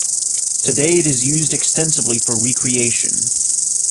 Today it is used extensively for recreation.